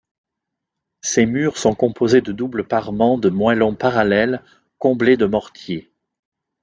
Ses murs sont composés de double parements de moellons parallèles, comblés de mortier.